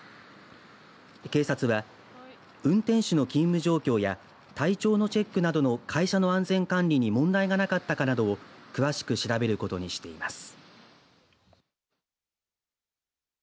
警察は、運転手の勤務状況や体調のチェックなどの会社の安全管理に問題がなかったかなどを詳しく調べることにしています。